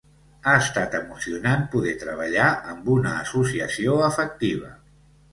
Ha estat emocionant poder treballar amb una associació efectiva.